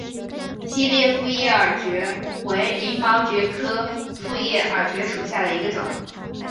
细裂复叶耳蕨为鳞毛蕨科复叶耳蕨属下的一个种。